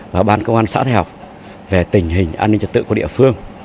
và ban công an xã thẻ học về tình hình an ninh trật tự của địa phương